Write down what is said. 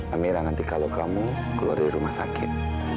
amira nanti kalau kamu keluar dari rumah sakit